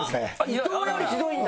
伊藤よりひどいんだ。